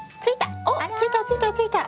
ついたついたついた。